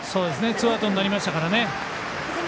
ツーアウトになりましたから。